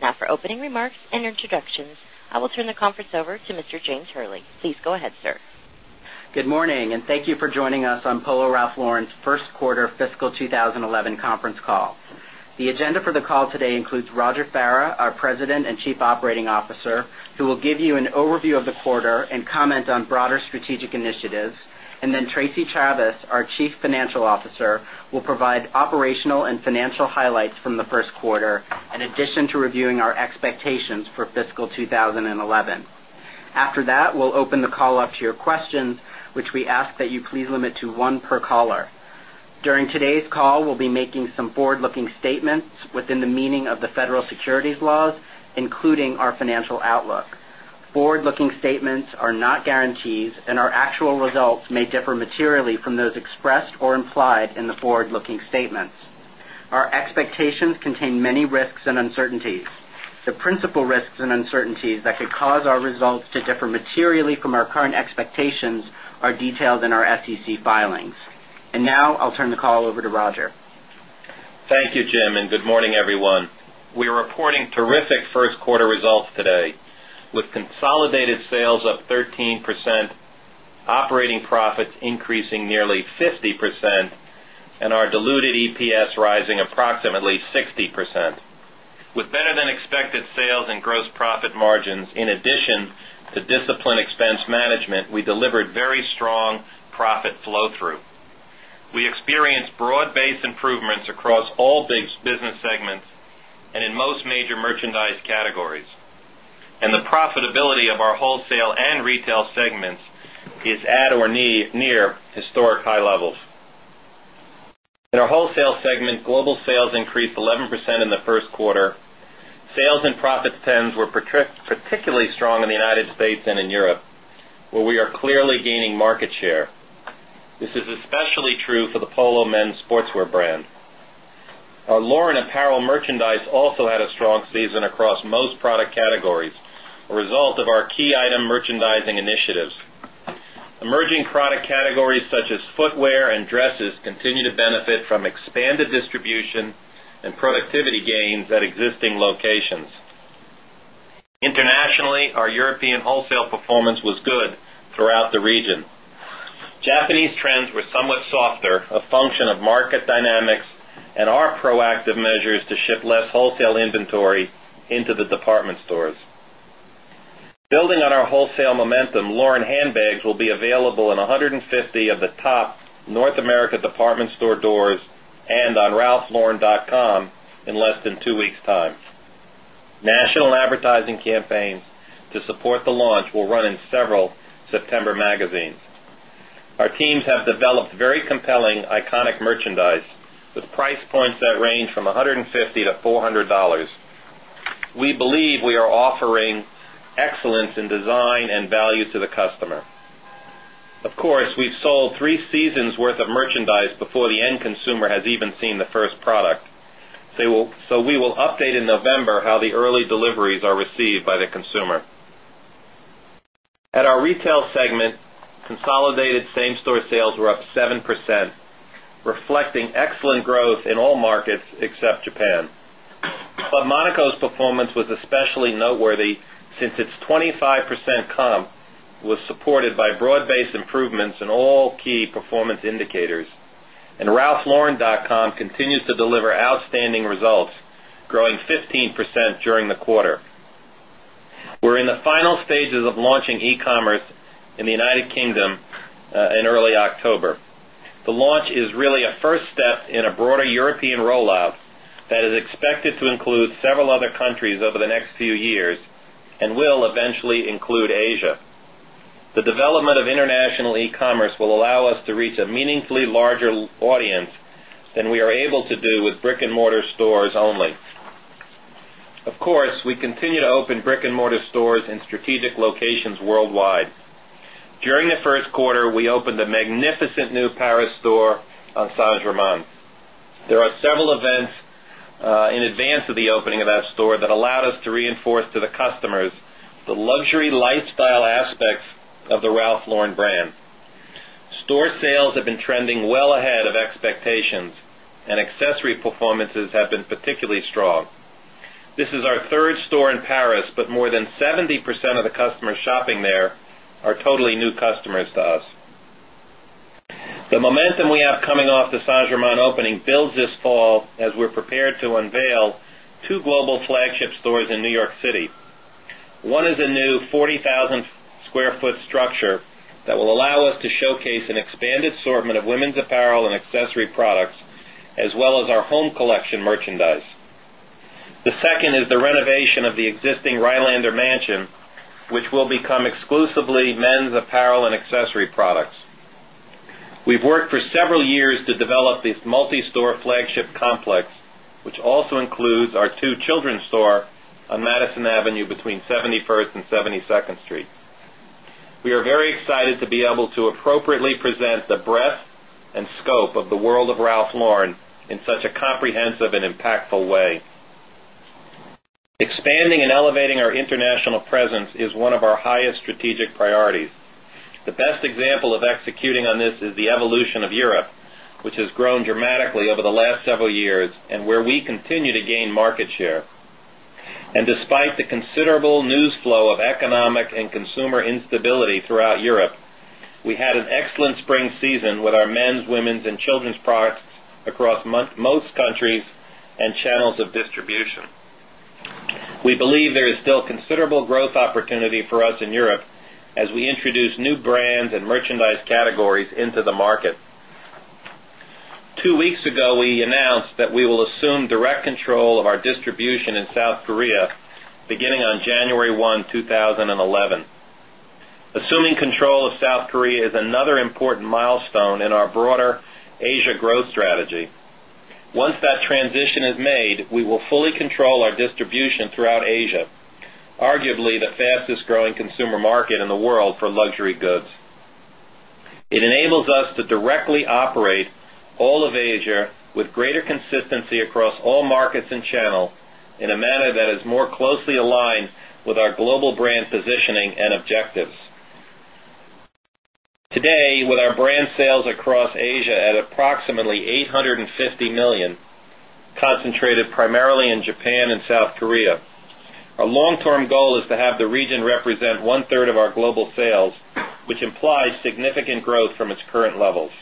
Now for opening remarks and introductions, I will turn the conference over to Mr. James Hurley. Please go ahead, sir. Good morning and thank you for joining us on Polo Ralph Lauren's Q1 fiscal 2011 conference call. The agenda for the call today includes Roger Barra, our President and Chief Operating Officer, who will give you an overview of the quarter and comment on broader strategic initiatives and then Tracy Chavez, our Chief Financial Officer, will provide operational and financial highlights from the Q1 in addition to reviewing our expectations for fiscal 20 11. After that, we'll open the call up to your questions, which we ask that you please limit to 1 per caller. During today's call, we'll be making some forward looking statements within the meaning of the federal securities laws, including our financial outlook. Forward looking statements are not guarantees and our actual results may differ materially from those expressed or implied in the forward looking statements. Our expectations contain many risks and uncertainties. The principal risks and uncertainties that could cause our results to differ materially from our current expectations are detailed in our SEC filings. And now, I'll turn the call over to Roger. Thank you, Jim, and good morning, everyone. We are reporting terrific first quarter results today with consolidated sales up 13%, operating profits increasing nearly 50% and our diluted EPS rising approximately 60%. With better than expected sales and gross profit margins in addition to disciplined expense management, we delivered very strong profit flow through. We experienced broad based improvements across all big business segments and in most major merchandise categories. And the profitability of our wholesale and retail segments is at or near historic high levels. In our Wholesale segment, global sales increased 11% in the Q1. Sales and profit stands were particularly strong in the United States and in Europe, where we are clearly gaining market share. This is especially true for the Polo men's sportswear brand. Our Lauren apparel merchandise also had a strong season across most product categories, a result of our key item merchandising initiatives. Emerging product categories such as footwear and dresses continue to benefit from expanded distribution and productivity gains at existing locations. Internationally, our European wholesale performance was good throughout region. Japanese trends were somewhat softer, a function of market dynamics and our proactive measures to ship less wholesale inventory into the department stores. Building on our wholesale momentum, Lauren handbags will be available in 150 of the top North America department store doors and on ralphlauren.com in less than 2 weeks' time. In less than 2 weeks' time. National advertising campaigns to support the launch will run-in several September magazines. Our teams have developed very compelling iconic merchandise with price points that range from $150 to $400 We believe we are offering excellence in design and value to the customer. Of course, we've sold 3 seasons worth of merchandise before the end consumer has even seen the first product. So we will update in November how the early deliveries are received by the consumer. At our Retail segment, consolidated same store sales were up 7%, reflecting excellent growth in all markets except Japan. Club Monaco's performance was especially noteworthy since its 25% comp was supported by broad based improvements in all key performance indicators and ralphlauren.com continues to deliver outstanding results growing 15% during the quarter. We're in the final stages of launching e commerce in the United Kingdom in early October. The launch is really a first step in a broader European rollout that is expected to include several other countries over the next few years and will eventually include Asia. The development of international e commerce will allow us to reach a meaningfully larger audience than we are able to do with brick and mortar stores only. Of course, we continue to open brick and mortar stores in strategic locations worldwide. During the Q1, we opened a magnificent new Paris store on Saint Germain. There are several events in advance of the opening of that store that allowed us to reinforce to the customers the luxury lifestyle aspects of the Ralph Lauren brand. Store sales have been trending well ahead of expectations and accessory performances have been particularly strong. This is our 3rd store in Paris, but more than 70% of the customers shopping there are totally new customers to us. The momentum we have coming off the Saint Germain opening builds this fall as we're prepared to unveil 2 global flagship stores in New York City. 1 is a new 40,000 square 40,000 square foot structure that will allow us to showcase an expanded assortment of women's apparel and accessory products as well as our home collection merchandise. The second is the renovation of the existing Rhinelander mansion, which will become exclusively men's apparel and accessory products. We've worked for several years to develop this multi store flagship complex, which also includes our 2 children's store on Madison Avenue between 71st and 72nd Street. We are very excited to be able to appropriately present the breadth and scope of the world of Ralph Lauren in such a comprehensive and impactful way. Expanding and elevating our international presence is one of our highest strategic priorities. The best example of executing on this is the evolution of Europe, which has grown dramatically over the last several years and where we continue to gain market share. And despite the considerable news flow of economic and consumer instability throughout Europe, we had an excellent spring season with our men's, women's and children's products across most countries and channels of distribution. We believe there is still considerable growth opportunity for us in Europe as we introduce new brands and merchandise categories into the market. 2 weeks ago, we announced that we will assume direct control of our distribution in South Korea beginning on January 1, 2011. Assuming control of South Korea is another important milestone in our broader Asia growth strategy. Once that transition is made, we will fully control our distribution throughout Asia, arguably the fastest growing consumer market in the world for luxury goods. It enables us to directly operate all of Asia with greater consistency across all markets and channel in a manner that is more closely aligned with our global brand positioning and objectives. Today, with our brand sales across Asia at approximately 8 $50,000,000 concentrated primarily in Japan and South Korea. Our long term goal is to have the region represent 1 third of our global sales, which implies significant growth from its current levels.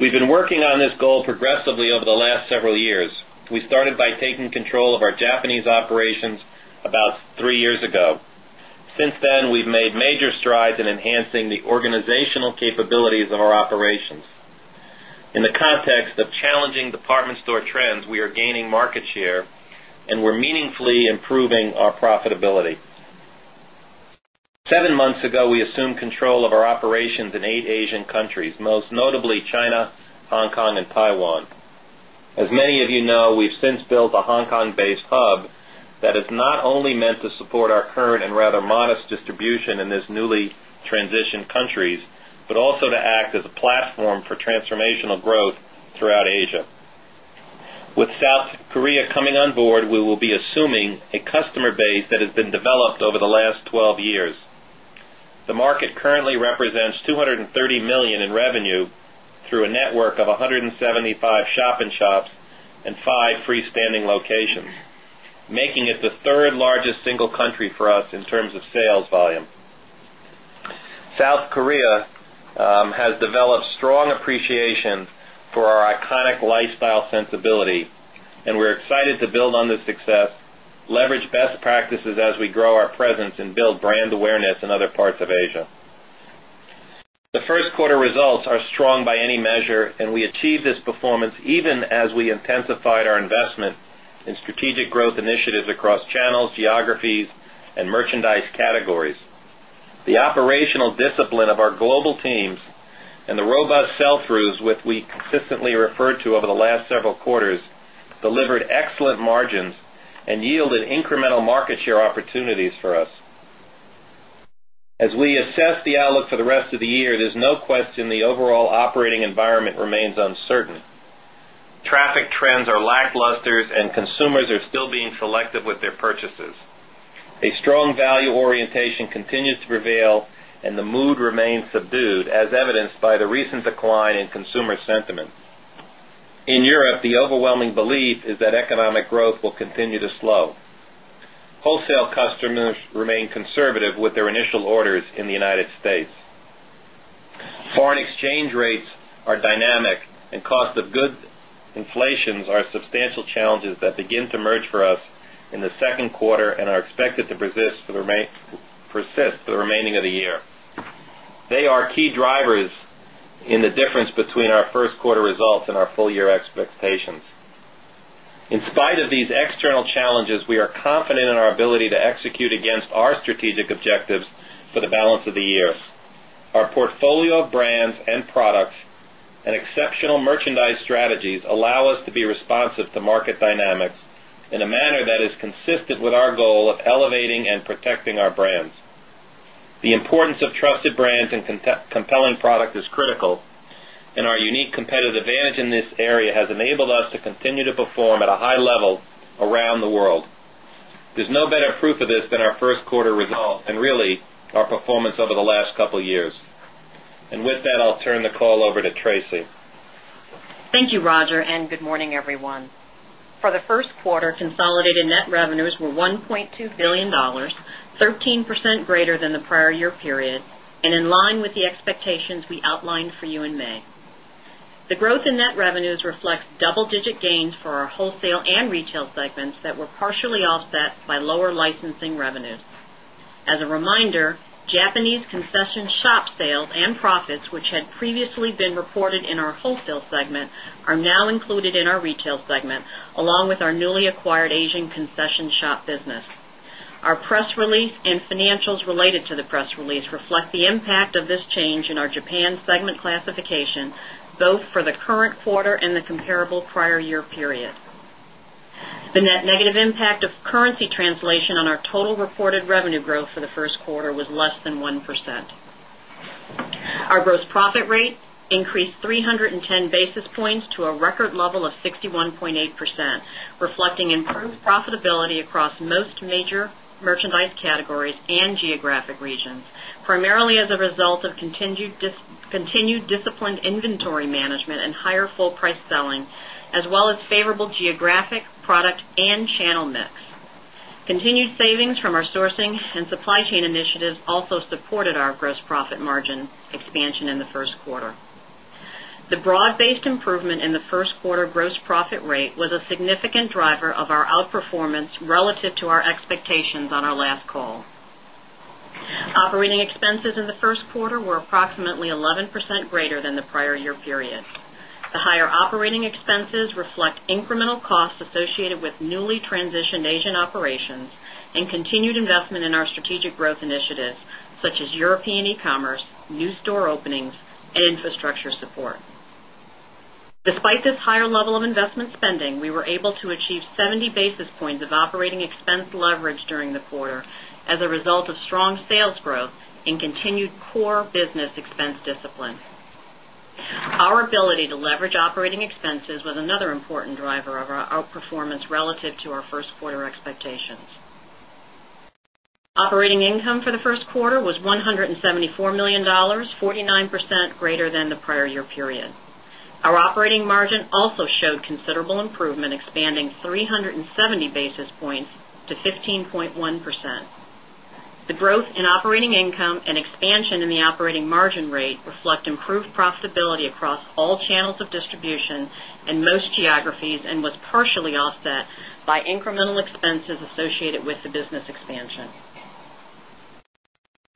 We've been working on this goal progressively over the last several years. We started by taking control of our Japanese operations about 3 years ago. Since then, we've made major strides in enhancing the organizational capabilities of our operations. In the the context of challenging department store trends, we are gaining market share and we're meaningfully improving our profitability. 7 months ago, we assumed control of our operations in 8 Asian countries, most notably China, Hong Kong and Taiwan. As many of you know, we've since built a Hong Kong based hub that is not only meant to support our current and rather modest distribution in this newly transitioned countries, but also to act as for transformational growth throughout Asia. With South Korea coming on board, we will be assuming a customer base that has been developed over the last 12 years. The market currently represents $230,000,000 in revenue through a network of 175 shop in shops and 5 freestanding locations, making it the 3rd largest single country for us in terms of sales volume. South Korea has developed strong appreciation for our iconic lifestyle sensibility and we're excited to build on this success, leverage best practices as we grow our presence and build brand awareness in other parts of Asia. The Q1 results are strong by any measure and we achieved this performance even as we intensified our investment in strategic growth initiatives across channels, geographies and merchandise categories. The operational The operational discipline of our global teams and the robust sell throughs with we consistently referred to over the last several quarters delivered excellent margins and yielded incremental market share opportunities for us. As we assess the outlook for the rest of the year, there's no question the overall operating environment remains uncertain. Traffic trends are lackluster and consumers are still being selective with their purchases. A strong value orientation continues to prevail and the mood remains subdued as evidenced by the recent decline in consumer sentiment. In Europe, the overwhelming belief is that economic growth will continue to slow. Wholesale customers remain conservative with their initial orders in the United States. Foreign exchange rates are dynamic and cost of goods inflations are substantial challenges that begin to merge for us in the second quarter and are expected to persist for the remaining of the year. They are key drivers in the difference between our Q1 results and our full year expectations. In spite of these external challenges, we are confident in our ability execute against our strategic objectives for the balance of the year. Our portfolio of brands and products and exceptional merchandise strategies allow us to be responsive to market dynamics in a manner that is consistent with our goal of elevating and protecting our brands. The importance of trusted brands and compelling product is critical and our unique competitive advantage in this area has enabled us to continue to perform at a high level around the world. There's no better proof of this than our Q1 results and really our performance over the last couple of years. And with that, I'll turn the call over to Tracy. Thank you, Roger, and good morning, everyone. For the Q1, consolidated net revenues were $1,200,000,000 13% greater than the prior year period and in line with the expectations we outlined for you in May. The growth in net revenues reflects double digit gains for our wholesale and retail segments that were partially offset by lower licensing revenues. As a reminder, Japanese concession shop sales and profits, which had previously been reported in our wholesale segment, are now included in our retail segment, along with our newly acquired Asian concession shop business. Our press release and financials related to the press release reflect the impact of this change in our Japan segment classification, both for the current quarter and the comparable prior year period. The net negative impact of currency translation on our total reported revenue growth for the Q1 was less than 1%. Our gross profit rate increased 3 10 basis points to a record level of 61.8%, reflecting improved profitability across most major merchandise categories and geographic regions, primarily as as a result of continued disciplined inventory management and higher full price selling, as well as favorable geographic product and channel mix. Continued savings from our sourcing and supply chain initiatives also supported our gross profit margin expansion in the Q1. The broad based improvement in the Q1 gross profit rate was a significant driver of our outperformance relative to our expectations on our last call. Operating expenses in the Q1 were approximately 11% greater than the prior year period. The higher operating expenses reflect incremental costs associated with newly transitioned Asian operations and continued investment in our strategic growth initiatives, such as European e commerce, new store openings and infrastructure support. Despite this higher level of investment spending, we were able to achieve 70 basis points of operating expense leverage during the quarter as a result of strong sales growth and continued core business expense discipline. Our ability to leverage operating expenses was another important driver of our outperformance relative to our Q1 expectations. Operating income for the Q1 was $174,000,000 49 percent greater than the prior year period. Our operating margin also showed considerable improvement, expanding 3 70 basis points to 15.1%. The growth in operating income and expansion in the operating margin rate reflect improved profitability across all channels of distribution in most geographies and was partially offset by incremental expenses associated with the business expansion.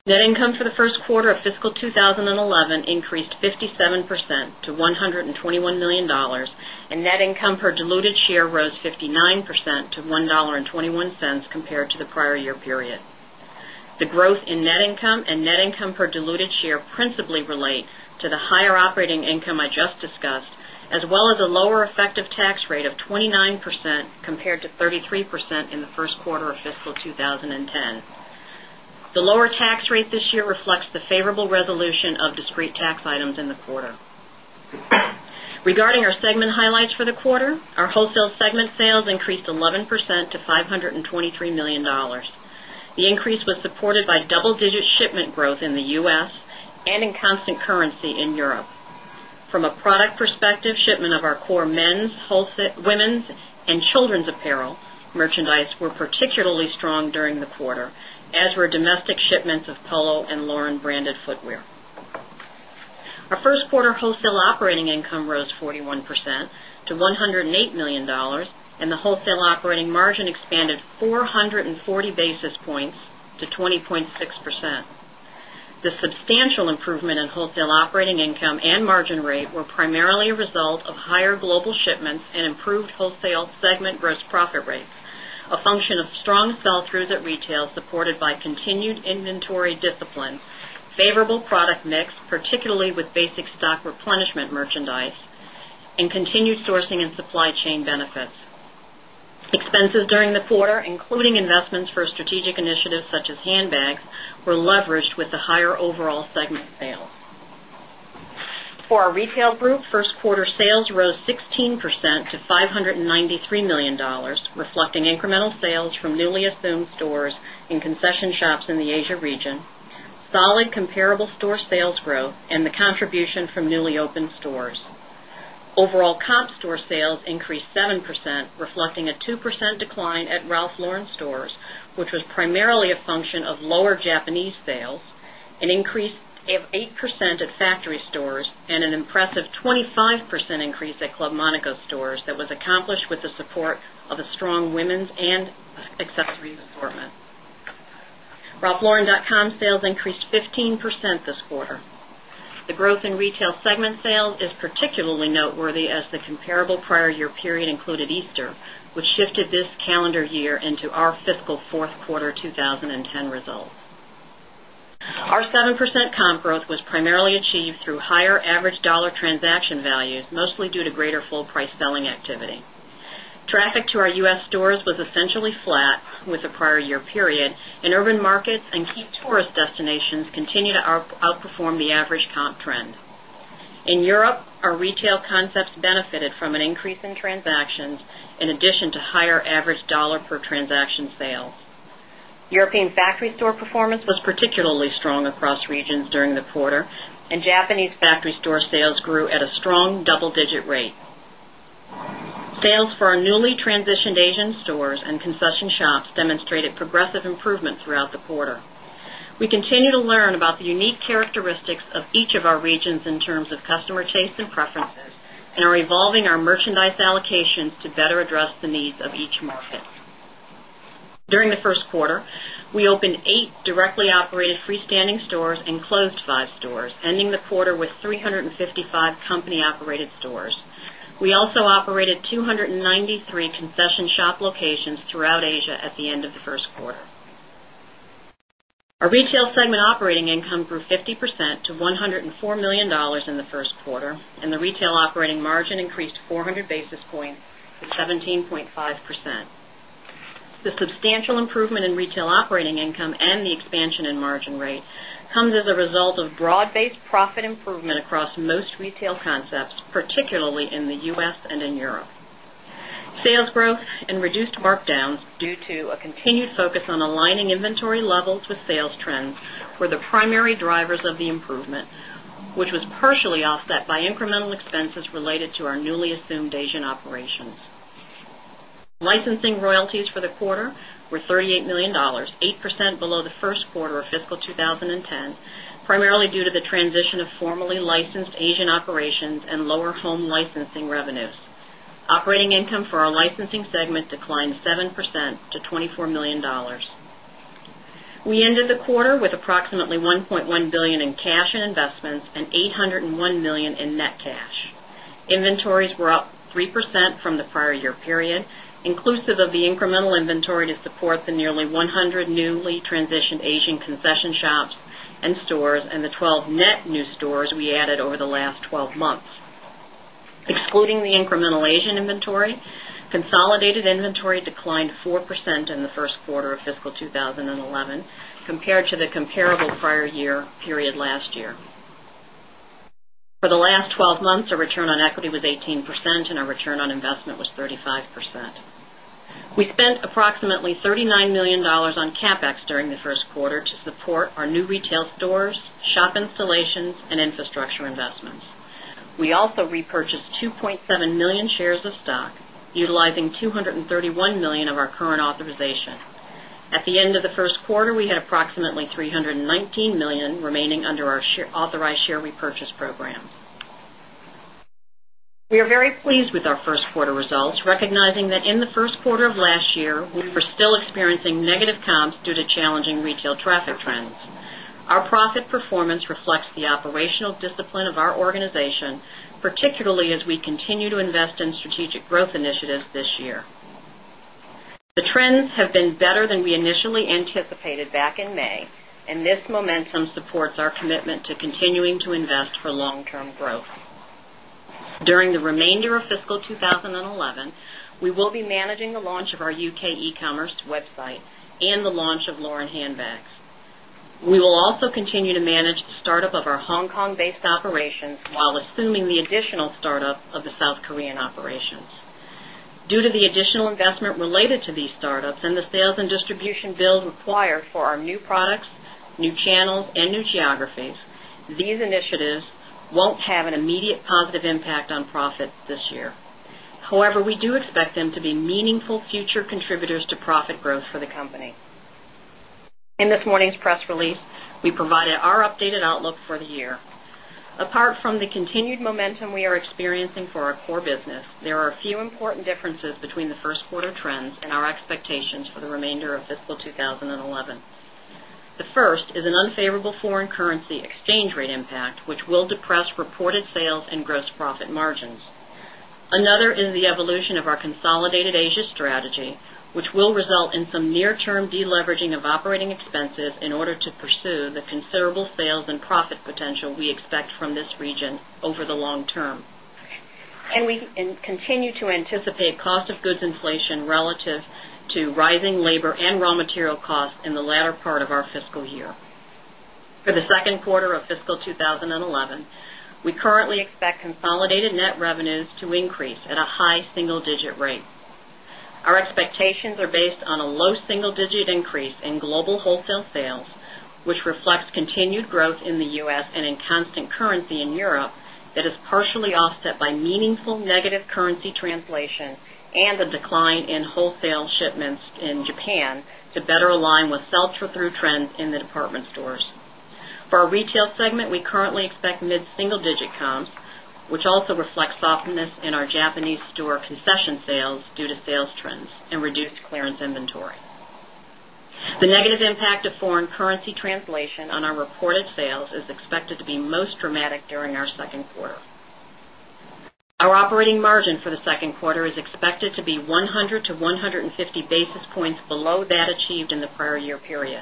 Net income for the Q1 of fiscal 2011 increased 57 percent to $121,000,000 and net income per diluted share rose 50 9% to $1.21 compared to the prior year period. The growth in net income and net income per diluted share principally relate to the higher operating income I just discussed, as well as a lower effective tax rate of 29 percent compared to 33% in the Q1 of fiscal 2010. The lower tax rate this year reflects the favorable resolution of discrete tax items in the quarter. Regarding our segment highlights for the quarter, our wholesale segment sales increased 11% to $523,000,000 The increase was supported by double digit shipment growth in the U. S. And in constant currency in Europe. From a product perspective, shipment of our core men's women's and children's apparel merchandise were particularly strong during the quarter as were domestic shipments of Polo and Lauren branded footwear. Our first quarter wholesale operating income rose 41 percent to $108,000,000 and the wholesale operating margin expanded 4 40 basis points to 20.6%. The substantial improvement in wholesale operating income and margin rate were primarily a result of higher global shipments and improved wholesale segment gross profit rates, a function of strong sell throughs at retail supported by continued inventory discipline, favorable product mix, particularly with basic stock replenishment merchandise and continued sourcing and supply chain benefits. Expenses during the quarter, including investments for strategic initiatives such as handbags, were leveraged with the higher overall segment sales. For our retail group, 1st quarter sales rose 16% to $593,000,000 reflecting incremental sales from newly assumed stores in concession shops in the Asia region, solid comparable store sales growth and the contribution from newly opened stores. Overall comp store sales increased 7%, reflecting a 2% decline at Ralph Lauren stores, which was primarily a function of lower Japanese sales, an increase of 8% at factory stores and an impressive 25% increase at Club Monaco stores that was accomplished with the support of a strong women's and assortment. Roflauren.com sales increased 15% this quarter. The growth in retail segment sales is particularly noteworthy as the comparable prior year period included Easter, which shifted this calendar year into our fiscal Q4 2010 results. Our 7% comp growth was primarily achieved through higher average dollar transaction values, mostly due to greater full price selling activity. Traffic to our U. S. Stores was essentially flat with the prior year period and urban markets and key tourist destinations continue to outperform the average comp trend. In In Europe, our retail concepts benefited from an increase in transactions in addition to higher average dollar per transaction sales. European factory store performance was particularly strong across regions during the quarter and Japanese factory store sales grew at a strong double digit rate. Sales for our newly transitioned Asian stores and concession shops demonstrated progressive improvement throughout the quarter. We continue to learn about the unique characteristics of each of our regions in terms of customer taste and preferences and are evolving our merchandise allocations to better address the needs of each market. During the Q1, we opened 8 directly operated freestanding stores and closed 5 stores, ending the quarter with 3.55 company operated stores. We also operated 293 concession shop locations throughout Asia at the end of the Q1. Our retail segment operating income grew 50% to $104,000,000 in the first quarter and the retail operating margin increased 400 basis points to 17.5%. The substantial improvement in retail operating income and the expansion in margin rate comes as a result of broad based profit improvement across most retail concepts, particularly in the U. S. And in Europe. Sales growth and reduced markdowns due to a continued focus on aligning inventory levels with sales trends were the primary drivers of the improvement, which was partially offset by incremental expenses related to our newly assumed Asian operations. Licensing royalties for the quarter were $38,000,000 8% below the Q1 of fiscal 2010, primarily due to the transition of formally licensed Asian operations and lower home licensing revenues. Operating income for our licensing segment declined 7% to $24,000,000 We ended the quarter with approximately 1 $100,000,000 in cash and investments and $801,000,000 in net cash. Inventories were up 3% from the prior year period, inclusive of the incremental inventory to support the nearly 100 newly transitioned Asian concession shops and and stores and the 12 net new stores we added over the last 12 months. Excluding the incremental Asian inventory, consolidated inventory declined 4% in the Q1 of fiscal 2011 compared to the comparable prior year period last year. For the last 12 months, our return on equity was 18% and our return on investment was 35%. We spent approximately $39,000,000 on CapEx during the Q1 to support our new retail stores, shop installations and infrastructure investments. We also repurchased 2,700,000 shares of stock, utilizing $231,000,000 of our current authorization. At the end of the Q1, we had approximately $319,000,000 remaining under our authorized share repurchase program. We are very pleased with our Q1 results, recognizing that in the Q1 of last year, we were still experiencing negative comps due to challenging retail traffic trends. Our profit performance reflects the operational discipline of our organization, particularly as we continue to invest in strategic growth initiatives this year. The trends have been better than we initially anticipated back in May, and this momentum supports our commitment to continuing to invest for long term growth. During the remainder of fiscal 20 11, we will be managing the launch of our UK e commerce website and the launch of Lauren handbags. We will also continue to manage the start up of our Hong Kong based operations, while assuming the additional startup of the South Korean operations. Due to the additional investment related to these startups and the sales and distribution bills required for our new products, new channels and new geographies, initiatives won't have an immediate positive impact on profit this year. However, we do expect them to be meaningful future contributors to profit growth for the company. In this morning's press release, we provided our updated outlook for the year. Apart from the continued momentum we are experiencing for our core business, there are a few important differences between the Q1 trends and our expectations for the remainder of fiscal 2011. The first is an unfavorable foreign currency exchange rate impact, which will depress reported sales and gross profit margins. Another is the evolution of our consolidated Asia strategy, which will result in some near term deleveraging of operating expenses in order to pursue the considerable sales and profit potential we expect from this region over the long term. And we continue to anticipate cost of goods inflation relative to rising labor and raw material costs in the latter part of our fiscal year. For the Q2 of fiscal 2011, we currently expect consolidated net revenues to increase at a high single digit rate. Our expectations are based on a low single digit increase in global wholesale sales, which reflects continued growth in the U. S. And in constant currency in Europe that is partially offset by meaningful negative currency translation and a decline in wholesale shipments in Japan to department stores. For our retail segment, we currently expect mid single digit comps, which also reflects softness in our Japanese store concession sales due to sales trends and clearance inventory. The negative impact of foreign currency translation on our reported sales is expected to be most dramatic during our Q2. Our operating margin for the Q2 is expected to be 100 to 150 basis points below that achieved in the prior year period.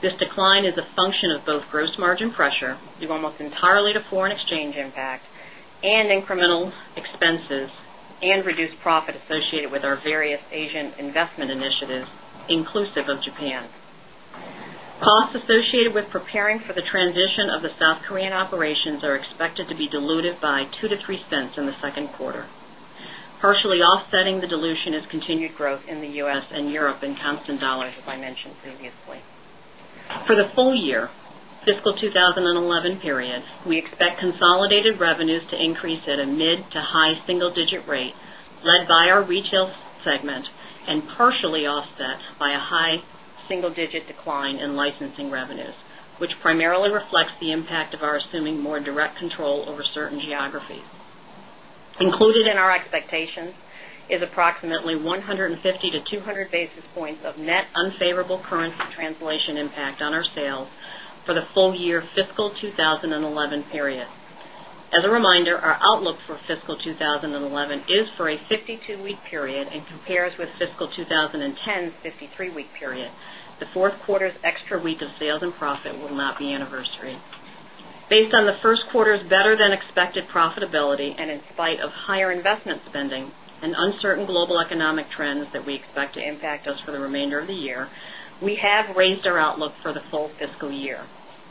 This decline is a function of both gross margin pressure due almost entirely to foreign exchange impact and incremental expenses and reduced profit associated with our various Asian investment initiatives, inclusive of Japan. Costs associated with preparing for the transition of the South Korean operations are expected to be offsetting the dilution is continued growth in the U. S. And Europe in constant dollars, as I mentioned previously. For the full year fiscal 2011 period, we expect consolidated revenues to increase at a mid to high single digit rate, led by our retail segment and partially offset by a high single digit decline in licensing revenues, which primarily reflects the impact of our assuming more direct control over certain geographies. Included in our expectations is approximately 150 to 200 basis points of net unfavorable currency translation impact on our sales for the full year fiscal 2011 period. As a reminder, our outlook for fiscal 2011 is for a 52 week period and compares with fiscal 20 ten's 53 week period. The 4th quarter's extra week of sales and profit will not be anniversaried. Based on the first quarter's better than expected profitability and in spite of higher investment spending and uncertain global economic trends that we expect to impact us for the remainder of the year, we have raised our outlook for the full fiscal year.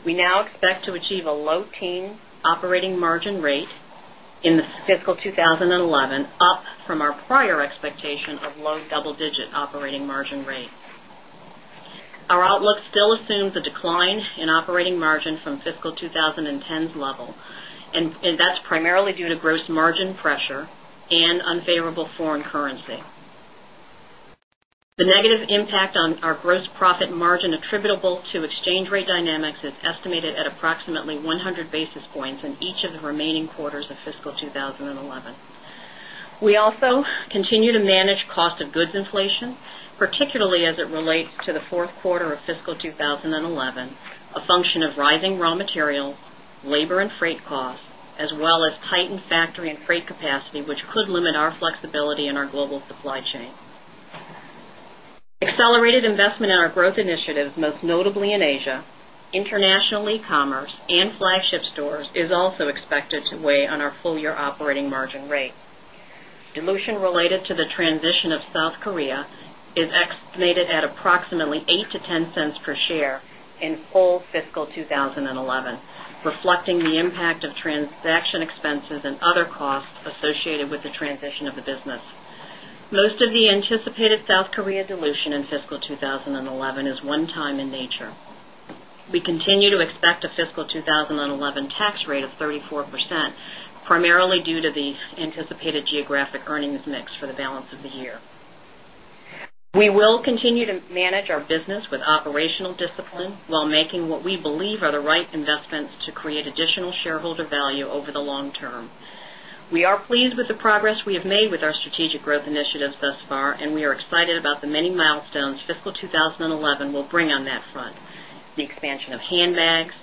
We now expect to achieve a low teen operating margin rate in the fiscal low teen operating margin rate in the fiscal 20 that's primarily due to gross margin pressure and unfavorable foreign currency. The negative impact on our gross profit margin attributable to exchange rate dynamics is estimated at approximately 100 basis points in each of the remaining quarters of fiscal 2011. We also continue to manage cost of goods inflation, particularly as it relates to the Q4 of fiscal 2011, a function of rising raw materials, labor and freight costs, as well as tightened factory and freight capacity, which could limit our flexibility in our global supply chain. Accelerated investment in our growth initiatives, most notably in Asia, international e commerce and flagship stores is also expected to weigh on our full year operating margin rate. Dilution related to the transition of South Korea is estimated at approximately 0 point 20 11, reflecting the impact of transaction expenses and other costs associated with the transition of the business. Most of the anticipated South Korea dilution in fiscal 2011 is one time in nature. We continue to expect a fiscal 2011 tax rate of 34%, primarily due to the anticipated geographic earnings mix for the balance of the year. We will continue to manage our business with operational discipline, while making what we believe are the right investments to create additional shareholder value over the long term. We are pleased with the progress we have made with our strategic growth initiatives thus far and we are excited about the many milestones fiscal 2011 will bring on that front, the expansion of handbags,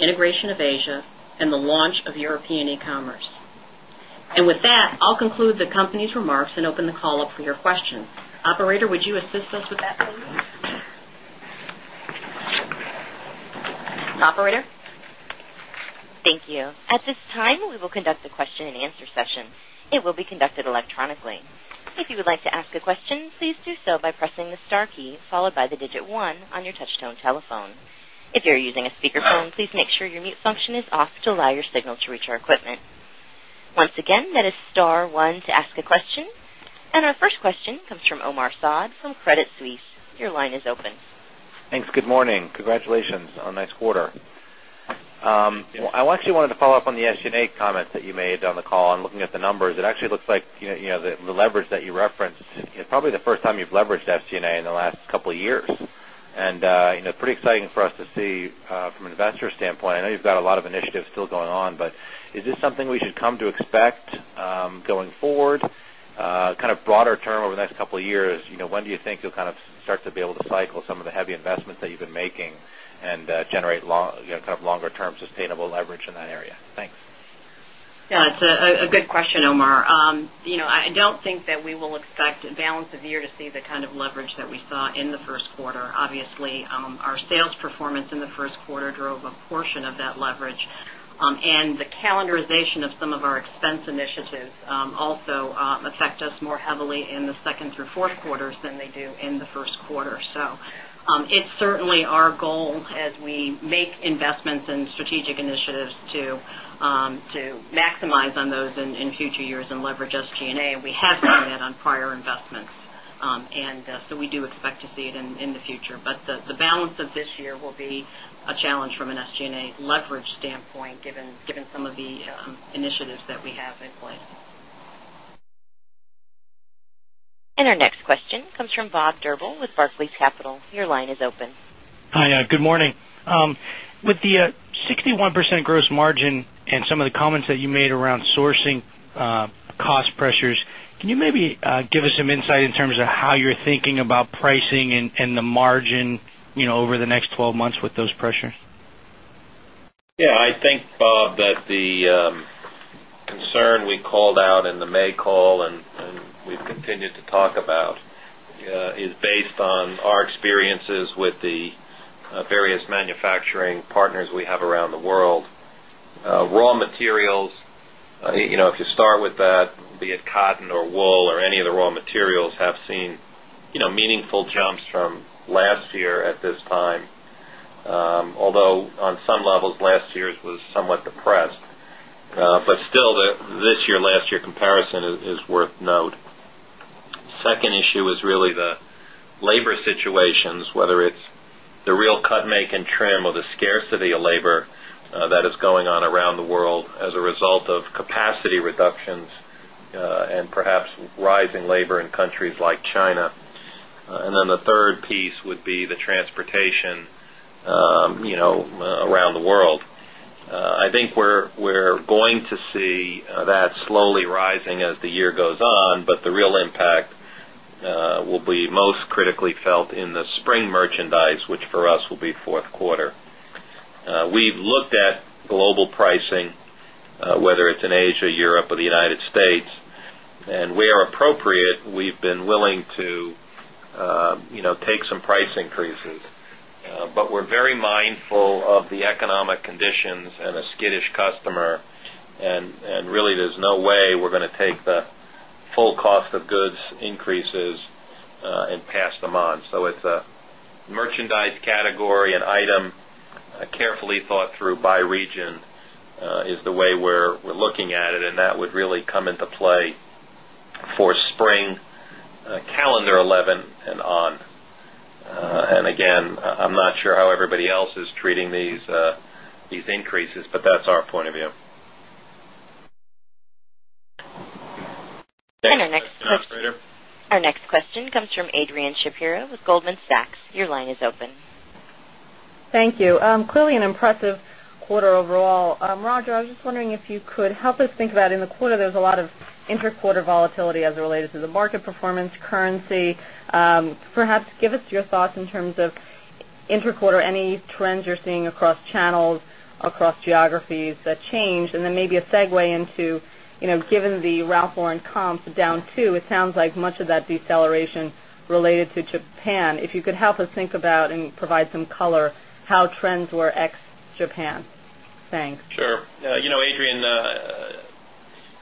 integration of Asia and the launch of European e Commerce. And with that, I'll conclude the company's remarks and open the call up for your questions. Operator, would you assist us with that you. And our first question comes from Omar Saad from Credit Suisse. Your line is open. Thanks. Good morning. Congratulations on a nice quarter. I actually wanted to follow-up on the SG and A comments that you made on the call. I'm looking at the numbers. It actually looks like the leverage that you referenced is probably the first time you've leveraged SG and A in the last couple of years. And pretty exciting for us to see from an investor standpoint, I know you've got a lot of initiatives still going on, but is this something we should come to expect going forward? Kind of broader term over the next couple of years, when do you think you'll kind of start to be able to cycle some of the heavy investments that you've been making and generate kind of longer term sustainable leverage in that area? Thanks. Yes, it's a good question, Omar. I don't think that we will expect the balance of the year to see the kind of leverage that we saw in the Q1. Obviously, our sales performance in the Q1 drove a portion of that leverage. And the calendarization of some of our expense initiatives also affect us more heavily in the second through 4th quarters than they do in the Q1. So it's certainly our goal as we make investments in strategic initiatives to maximize on those in future years and leverage SG and A. And we have done that on prior investments. And so we do expect to see it in the future. But the balance of this year will be a challenge from an SG and A. Let's look at the But the balance of this year will be a challenge from an SG and A leverage standpoint given some of the initiatives that we have in place. And our next question comes from Bob Drbul with Barclays Capital. Your line is open. Hi, good morning. With the 61% gross margin and some of the comments that you made around sourcing cost pressures, can you maybe give us some insight in terms of how you're thinking about pricing and the margin over the next 12 months with those pressures? Yes. I think, Bob, that the concern we called out in the May call and we've continued to talk about is based on our experiences with the various manufacturing partners we have around the world. Raw materials, if you start with that, be it cotton or wool or any of the raw materials have seen meaningful jumps from last year at this time. Although on some levels last year's was somewhat depressed, but still this year last year comparison is worth note. 2nd issue is really the labor situations, whether it's the real cut make and trim or the scarcity of labor that is going on around the world as a result of capacity reductions and perhaps rising labor in countries like China. And then the 3rd piece would be the transportation around the world. I think we're going to see that slowly rising as the year goes on, but the real impact will be most critically felt in the spring merchandise, which for us will be Q4. We've looked at global pricing, whether it's in Asia, Europe or the United States and where appropriate we've been willing to take some price increases. But we're very mindful of the economic conditions and a skittish customer and really there's no way we're going to take the full cost of goods increases and pass them on. So it's a merchandise category and item carefully thought through by region is the way we're looking at it and that would really come into play for spring calendar 2011 and on. And again, I'm not sure how everybody else is treating these increases, but that's our point of view. Our next question comes from Adrienne Shapiro with Goldman Sachs. Your line is open. Clearly an impressive quarter overall. Roger, I was just wondering if you could help us think about in the quarter there was a lot of inter quarter volatility as it relates to the market performance, currency. Perhaps give us thoughts in terms of inter quarter any trends you're seeing across channels, across geographies that change? And then maybe a segue into given the Ralph Lauren comps down 2, it sounds like much of that deceleration related to Japan. If you could help us think about and provide some color how trends were ex Japan? Thanks. Sure. Adrian,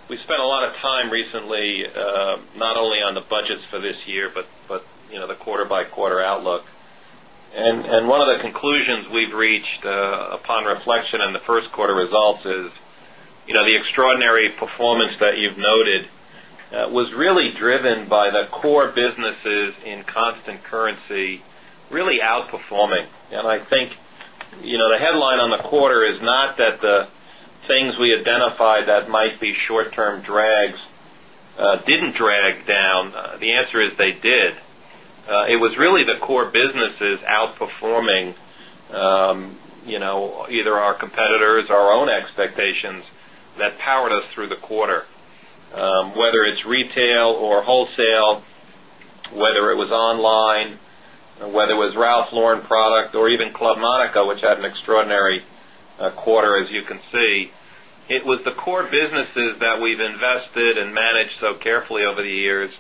we spent a lot of time recently, not only on the budgets for this year, but the quarter by quarter outlook. And one of the conclusions we've reached upon reflection in the Q1 results is the extraordinary performance that you've noted was really driven by the core businesses in constant currency really outperforming. And I think the headline on the quarter is not that the things we identified that might be short term drags didn't drag down. The answer is they did. It was really the core businesses outperforming either our competitors, our own expectations that powered us through the quarter. Whether it's retail or wholesale, whether it was online, whether it was Ralph Lauren product or even Club Monaco, which had an extraordinary quarter as you can see, it was the core businesses that we've invested and managed so carefully over the years,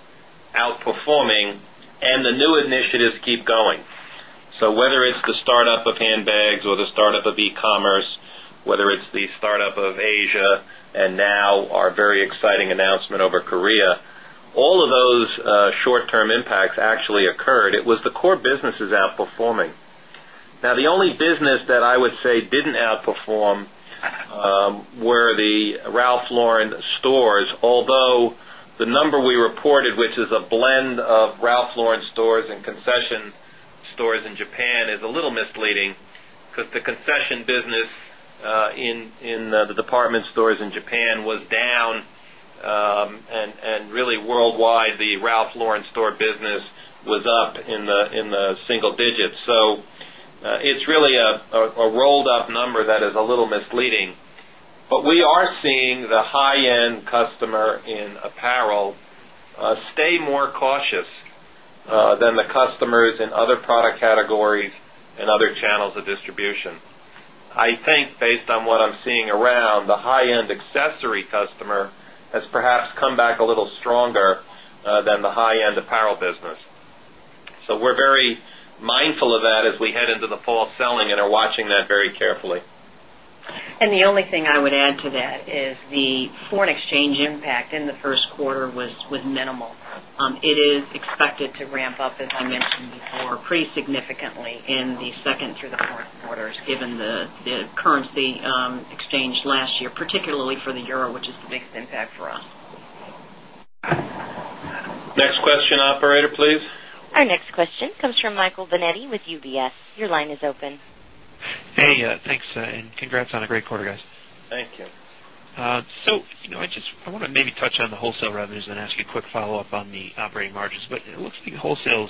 outperforming and the new initiatives keep going. So whether it's the startup of handbags or the startup of e commerce, whether it's the start up of Asia and now our very exciting announcement over Korea, all of those short term impacts actually occurred. It was the core businesses outperforming. Now the only business that I would say didn't outperform were the Ralph Lauren stores, although the number we reported, which is a blend of Ralph Lauren stores and concession stores in Japan is a little misleading because the concession business in the department stores in Japan was down and really worldwide the Ralph Lauren store business was up in the single digits. So it's really a rolled up number that is a little misleading. It's really a rolled up number that is a little misleading. But we are seeing the high end customer in apparel stay more cautious than the customers in other product categories and other channels of distribution. I think based on what I'm seeing around the high end accessory customer has perhaps come back a little stronger than the high end apparel business. So we're very mindful of that as we head into the fall selling and are watching that very carefully. And the only thing I would add to that is the foreign exchange impact in the Q1 was minimal. It is expected to ramp up, as I mentioned before, pretty significantly in the second through the 4th quarters given the currency exchange last year, particularly for the euro, which is the biggest impact for us. Next question, operator, please. Our next question comes from Michael Binetti with UBS. Your line is open. Hey, thanks and congrats on a great quarter guys. Thank you. So I just I want to maybe touch on the wholesale revenues and ask you a quick follow-up on the operating margins. But it looks like the wholesales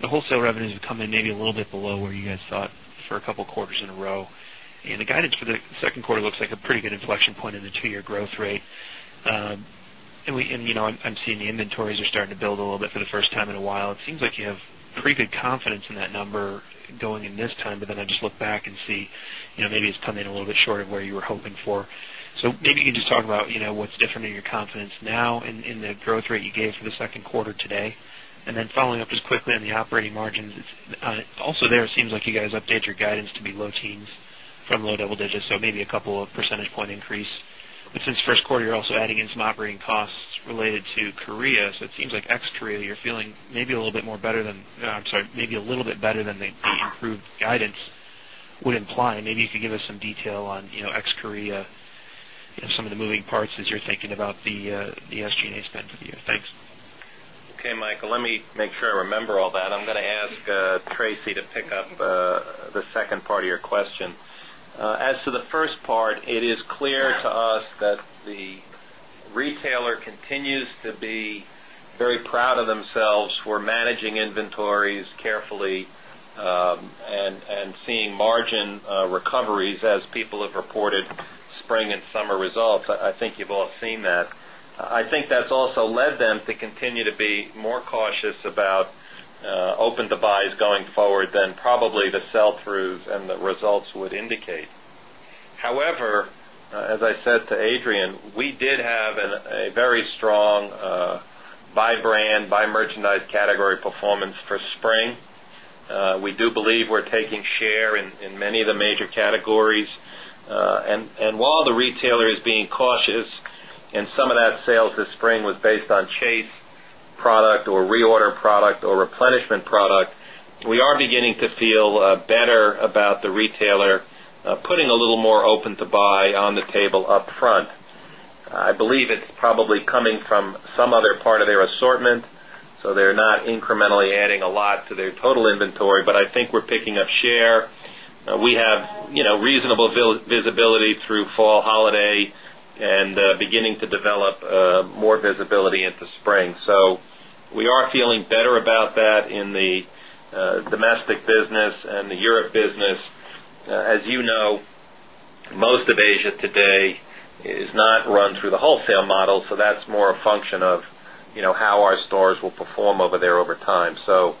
the wholesale revenues have come in maybe a little bit below where you guys thought for a couple of quarters in a row. And the guidance for the Q2 looks like a pretty good inflection point in the 2 year growth rate. And I'm seeing the inventories are starting to build a little bit for the first time in a while. It seems like you have pretty good confidence in that number going in this time, but then I just look back and see maybe it's coming a little bit short of where you were hoping for. So maybe you can just talk about what's different in your confidence now in the growth rate you gave for the Q2 today? And then following up just quickly on the operating margins. Also there it seems like you guys update your guidance to be low teens from low double digits, so maybe a couple of percentage point increase. But since Q1, you're also adding in some operating costs related to Korea. So it seems like ex Korea, you're feeling maybe a little bit more better than I'm sorry, maybe a little bit better than the improved guidance would imply. Maybe you give us some detail on ex Korea, some of the moving parts as you're thinking about the SG and A spend for the year? Thanks. Okay, Michael. Let me make sure I remember all that. I'm going to ask Tracy to pick up the second part of your question. As to the retailer continues to be very proud of themselves for managing inventories carefully and seeing margin recoveries as people have reported spring and summer results. I think you've all seen that. I think that's also led them to continue to be more cautious about open to buys going forward than probably the sell throughs and the results would indicate. However, as I said to Adrian, we did have a very strong by brand, by merchandise category performance for spring. We do believe we're taking share in many of the major categories. And while the retailer is being cautious and some of that sales this spring was based on Chase product or reorder product or replenishment product, we are beginning to feel better about the retailer putting a little more open to buy on the table upfront. I believe it's probably coming from some other part of their assortment. So they're not incrementally adding a lot to their total inventory, but I think we're picking up share. We have reasonable visibility through fall holiday and beginning to develop more visibility into spring. So we are feeling better about that in the domestic business and the Europe business. As you know, most of Asia today is not run through the wholesale model. So that's more a function of how our stores will perform over there over time. So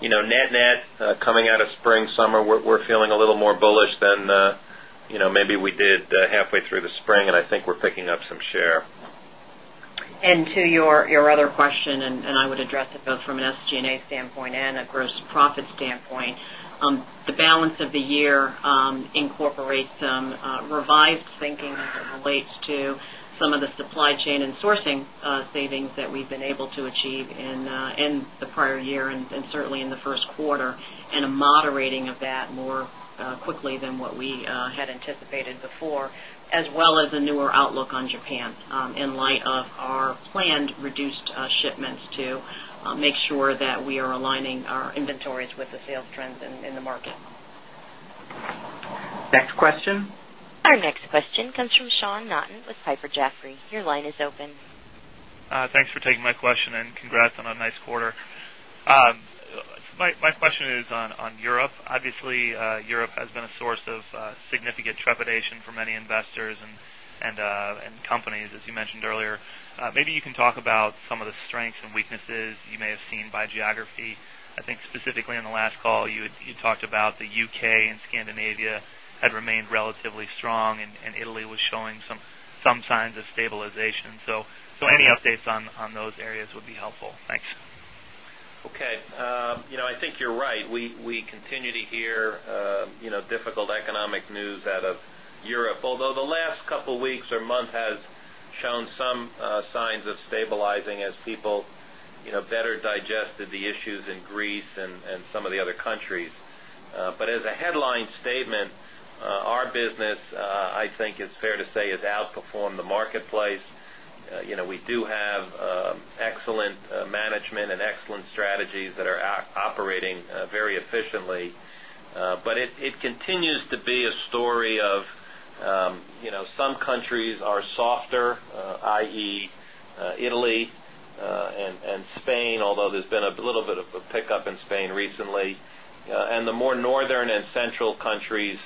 net net coming out of spring, summer, we're feeling a little more bullish than maybe we did halfway through the spring and I think we're picking up some share. And to your other question, and I would address it both from an SG and A standpoint and a gross profit standpoint, the balance of the year incorporates revised thinking as it relates some of the supply chain and sourcing savings that we've been able to achieve in the prior year and certainly in the Q1 and a moderating of that more quickly than what we had anticipated before as well as a newer outlook on Japan in light of our planned reduced shipments to make sure that we are aligning our inventories with the sales trends in the market. Next question? Our next question comes from Sean Naughton with Piper Jaffray. Your line is open. Thanks for taking my question and congrats on a nice quarter. My question is on Europe. Obviously, Europe has been a source of significant trepidation for many investors and has been a source of significant trepidation for many investors and companies, as you mentioned earlier. Maybe you can talk about some of the strengths and weaknesses you may have seen by geography. I think specifically in the last call, you talked about the UK and Scandinavia. I think on the last call, you talked about the UK and Scandinavia had remained relatively strong and Italy was showing some signs of stabilization. So, any updates on those areas would be helpful. Thanks. Okay. I think you're right. We continue to hear difficult economic news out of Europe, although the last couple of weeks or month has shown some signs of stabilizing as people better digested the issues in Greece and some of the other countries. But as a headline statement, our business, I think it's fair to say has outperformed the marketplace. We do have excellent management and excellent strategies that are operating very efficiently. But it continues to be a story of some countries are softer, I. E, Italy and Spain, although there's been a little bit of a pickup in Spain recently. And the more northern and central countries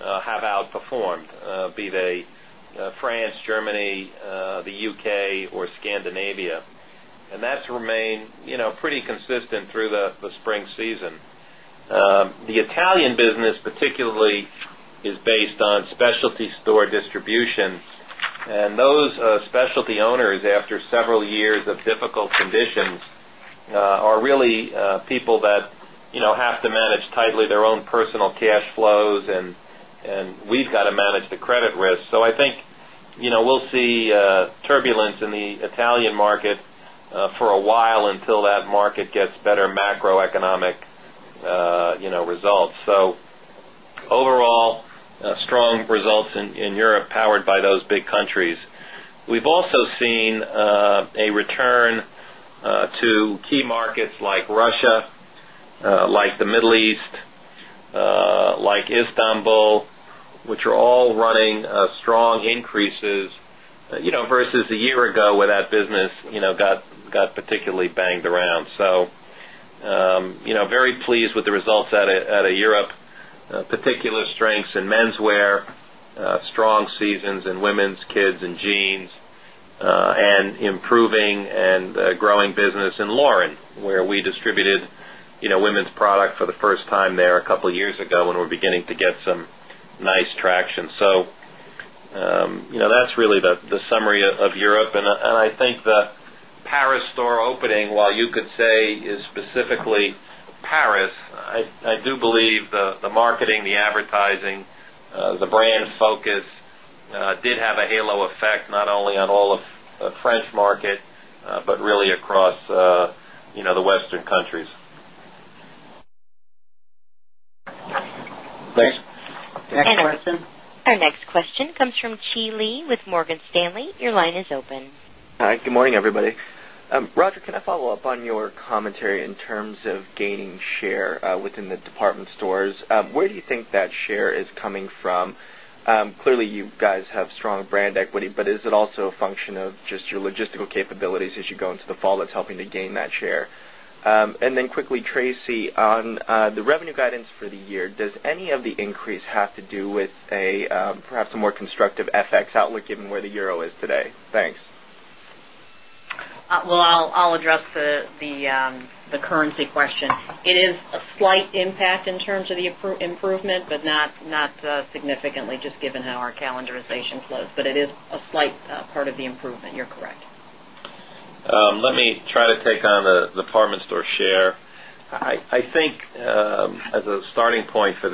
have outperformed, be they France, Germany, the UK or Scandinavia. And that's remained pretty consistent through the spring season. The Italian business particularly is based on specialty store distributions and those specialty owners turbulence in the Italian market for a while until that market gets better macroeconomic results. So overall, strong results in Europe powered by those big countries. We've also seen a return to key markets like Russia, like the Middle East, like Istanbul, which are all running strong increases versus a year ago where that business got particularly banged around. A year ago where that business got particularly banged around. So very pleased with the results at a Europe, particular strengths in menswear, strong seasons in women's, kids and jeans and improving and growing business in Lauren, where we distributed women's product for the first time there a couple of years ago when we're beginning to get some nice traction. So that's really the summary of Europe. And I think the Paris store opening, while you could say is specifically Paris, I do believe the marketing, the advertising, the brand focus did have a halo effect not only on all of French market, but really across the Western countries. Thanks. Next question. Our question comes from Chi Lee with Morgan Stanley. Your line is open. Hi, good morning everybody. Roger, can I follow-up on your commentary in terms of gaining share within the department stores? Where do you think that share is coming from? Clearly, you guys have strong brand equity, but is it also a function of just your logistical capabilities as you go into the fall that's helping to gain that share? And then quickly, Tracy, on the revenue guidance for the year, does any of the increase have to do with a perhaps a more constructive FX outlook given where the euro is today? Thanks. Well, I'll address the currency question. It is a slight impact in terms of improvement, but not significantly just given how our calendarization flows, but it is a slight part of the improvement. You're correct. Let me try to take on the apartment store share. I think as a starting point for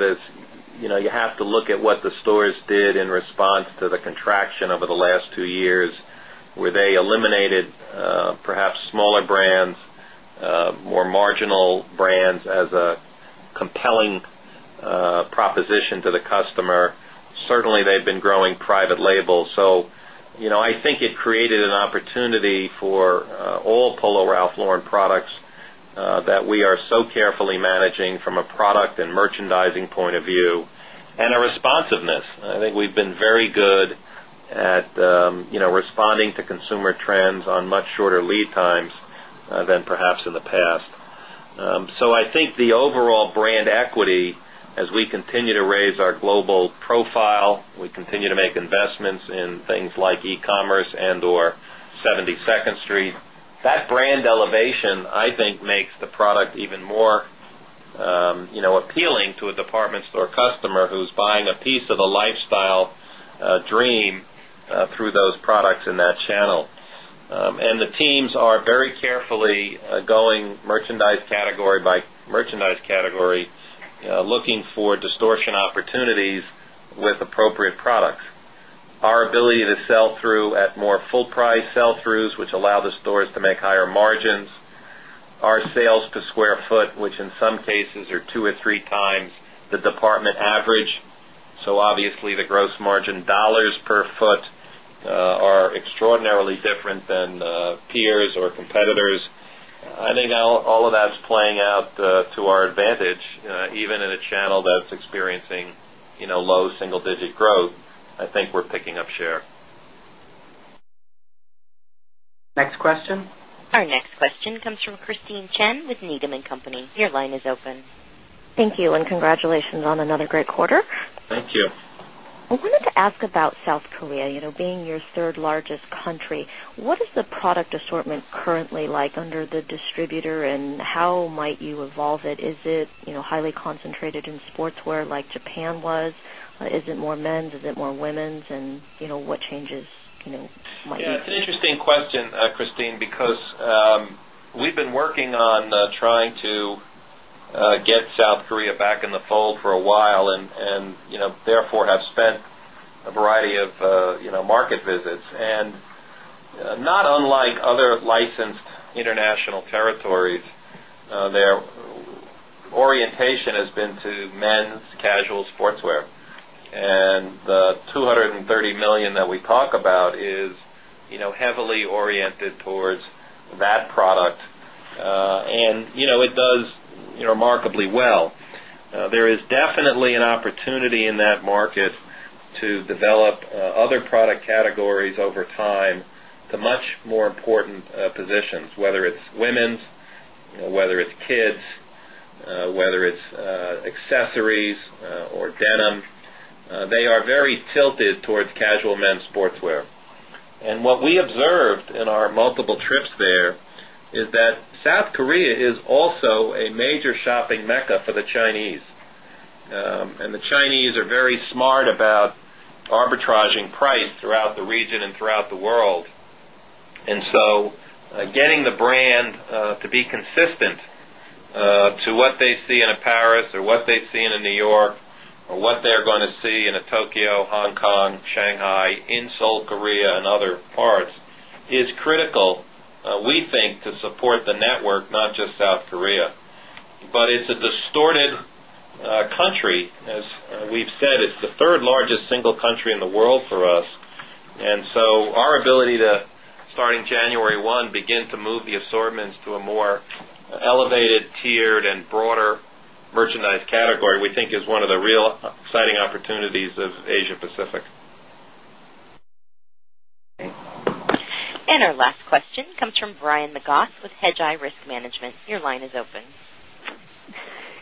you have to look at what the stores did in response to the contraction over the last 2 years where they eliminated perhaps smaller brands, more marginal brands as a compelling proposition to the customer. Certainly, they've been growing private label. So I think it created an opportunity for all Polo Ralph Lauren products that we are so carefully managing from a product and merchandising point of view and a responsiveness. I think we've been very good at responding to consumer trends on much shorter lead times than perhaps in the past. So I think the overall brand equity as we continue to raise our global profile, we continue to make investments in things like e commerce and or 72nd Street, that brand elevation, I think, makes the product even more appealing to a product even more appealing to a department store customer who's buying a piece of the lifestyle dream through those products in that channel. And the teams are very carefully going merchandise category by merchandise category looking for distortion opportunities with appropriate products. Our ability to sell through at more full price sell throughs, which allow the stores to make higher margins. Our sales per square foot, which in some cases are 2 or 3 times the department average. So obviously, the gross margin dollars per foot are extraordinarily different than peers or competitors. I think now all of that's playing out to our advantage even in a channel that's experiencing low single digit growth. I think we're picking up share. Next question? Our next question comes from Christine Chen with Needham and Company. Your line is open. Thank you and congratulations on another great quarter. Thank you. I wanted to ask about South Korea being your 3rd largest country. What is the product assortment currently like under the distributor and how might you evolve it? Is it highly concentrated in sportswear like Japan was? Is it more men's? Is it more women's? And what changes might variety of market visits. And not unlike other licensed international territories, unlike other licensed international territories, their orientation has been to men's casual sportswear. And the $230,000,000 that we talk about is heavily oriented towards that product. And it towards that product and it does remarkably well. There is definitely an opportunity in that market to develop other product categories over time to much more important positions, whether it's women's, whether it's kids, whether it's categories over time to much more important positions, whether it's women's, whether it's kids, whether it's accessories or denim, they are very tilted towards casual men sportswear. And what we observed in our multiple trips there is that South Korea is also a major shopping mecca for the Chinese. And the Chinese are very smart about arbitraging price throughout the region and throughout the world. And so getting getting the brand to be consistent to what they see in a Paris or what they see in a New York or what they're going to see in a Tokyo, Hong Kong, Shanghai, in Seoul, Korea and other parts is critical think to support the network, not just South Korea. But it's a distorted country as we've said, it's the 3rd largest single country in the world for us. And so our ability to starting January 1 begin to move the assortments to a more elevated tiered and broader merchandise category, we think is one of the real exciting opportunities of Asia Pacific. And our last question comes from Brian Nagas with Hedgeye Risk Management. Your line is open.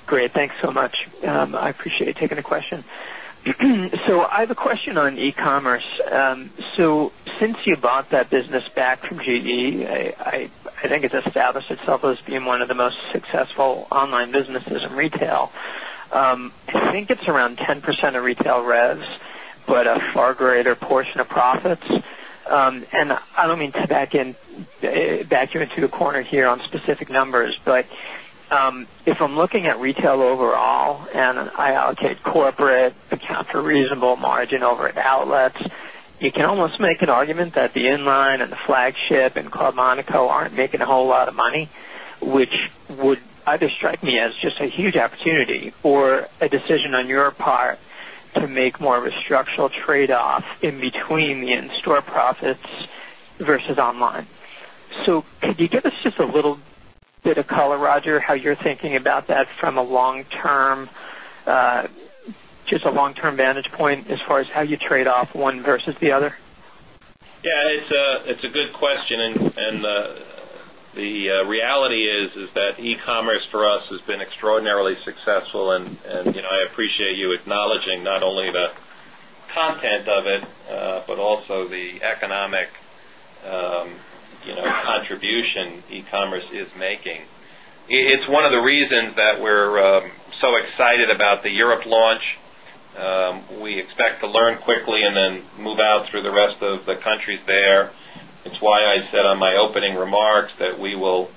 Great. Thanks so much. I appreciate you taking the question. So I have a question on e commerce. So since you bought that business back from GE, I think it's established itself as being one of the most successful online businesses in retail. I think it's around 10% of retail revs, but a far greater portion of profits. And I don't mean to back you into the corner here on specific numbers, but if I'm looking at retail overall and I allocate corporate, account for reasonable margin over outlets, you can almost make an argument that the Inline and the Flagship and Monaco aren't making a whole lot of money, which would either strike me as just a huge opportunity or a decision on your part to make more of a structural trade off in between the in store profits versus online. So could you give us just a little bit of color, Roger, how you're thinking about that from a long term just a long term vantage point as far as how you trade off one versus the other? Yes, it's a good question. And the reality is that e commerce for us has been extraordinarily successful. And I appreciate you acknowledging not only economic contribution e commerce is making. It's one of the reasons that we're so excited about the Europe launch. We expect to learn quickly and then move out through the rest of the countries there. It's why I said on my opening remarks that we will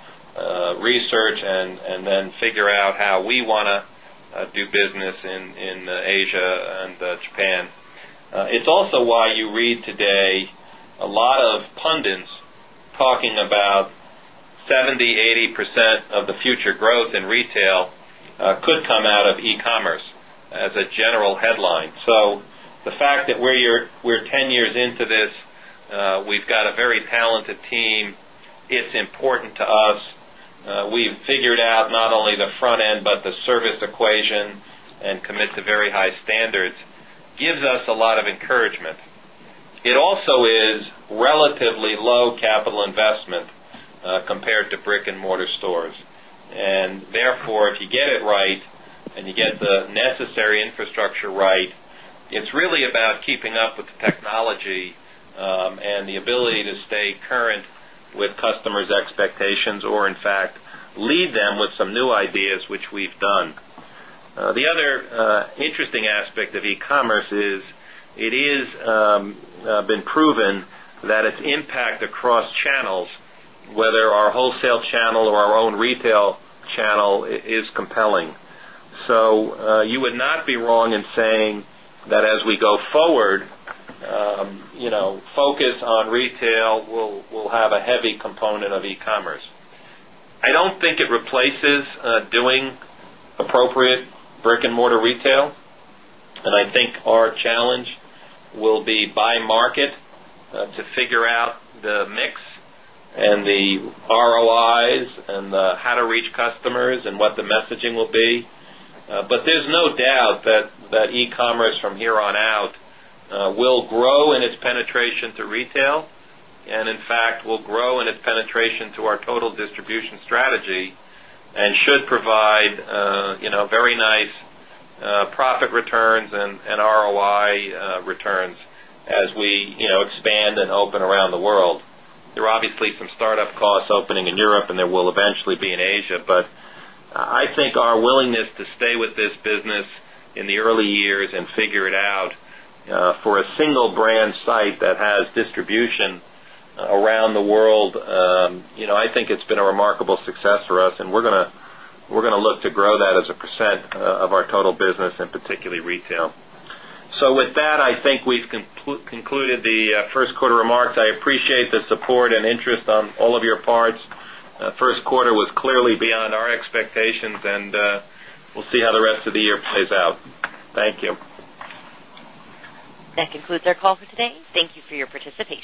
research and then figure out how we want to do business in Asia and Japan. It's also why you read today a lot of pundits talking about 70%, 80% of the future growth in retail could come out of e commerce as a general headline. So the fact that we're 10 years into this, we've got a very talented team. It's important to us. We've figured out not only the front end, but the service equation and commit to very high standards gives us a lot of encouragement. It also is relatively low capital investment compared to brick and mortar stores. And therefore, if you get it right and you get the necessary infrastructure right, it's really about keeping up with the technology and the ability to stay current with customers' expectations or in fact lead them with some new ideas, which we've done. The other interesting aspect of e commerce is it is been proven that its impact across channels, whether our wholesale channel or our own retail channel is compelling. So you would not be wrong in saying that as we go forward, focus on retail will have a heavy component of e commerce. I don't think it replaces doing appropriate brick and mortar retail. And I think our challenge will be by market to figure out the mix and the ROIs and how to reach customers and what the messaging will be. But there's no doubt that e commerce from here on out will grow in its penetration to retail and in fact will grow in its penetration to our total distribution strategy and should provide very nice profit returns and ROI returns as we expand and open around the world. There are obviously some startup costs opening in Europe and there will eventually be in Asia. But I think our willingness to stay with this business in the early years and figure it out for a single brand site that has distribution around the world, I think it's been a remarkable success for us and we're going to look to grow that as a percent of our total business and particularly retail. So with that, I think we've concluded the Q1 remarks. I appreciate the support and interest on all of your parts. Q1 was clearly beyond our expectations and we'll see how the rest of the year plays out. Thank you. That concludes our call for today. Thank you for your participation.